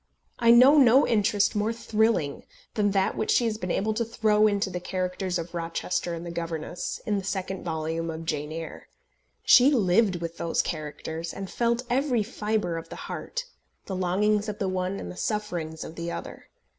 I know no interest more thrilling than that which she has been able to throw into the characters of Rochester and the governess, in the second volume of Jane Eyre. She lived with those characters, and felt every fibre of the heart, the longings of the one and the sufferings of the other.